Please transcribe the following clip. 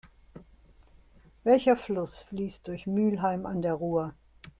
Welcher Fluss fließt durch Mülheim an der Ruhr?